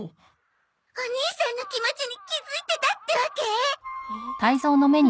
お兄さんの気持ちに気づいてたってわけ？